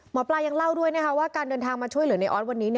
หมอปลายังเล่าด้วยนะคะว่าการเดินทางมาช่วยเหลือในออสวันนี้